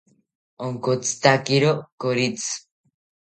Onkotzitakiro koritzi